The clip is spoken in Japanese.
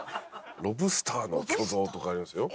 ロブスターの巨像とかありますよ。